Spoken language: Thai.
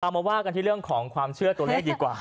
มาว่ากันที่เรื่องของความเชื่อตัวเลขดีกว่า